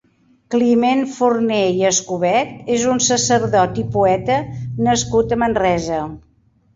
Climent Forner i Escobet és un sacerdot i poeta nascut a Manresa.